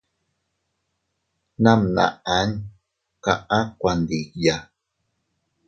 Namnaʼan kaʼa kuandiya.